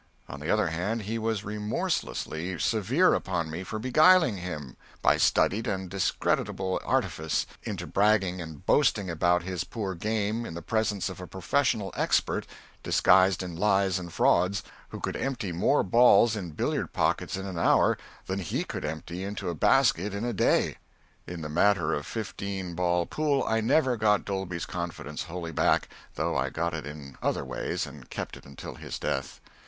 On the other hand, he was remorselessly severe upon me for beguiling him, by studied and discreditable artifice, into bragging and boasting about his poor game in the presence of a professional expert disguised in lies and frauds, who could empty more balls in billiard pockets in an hour than he could empty into a basket in a day. In the matter of fifteen ball pool I never got Dolby's confidence wholly back, though I got it in other ways, and kept it until his death.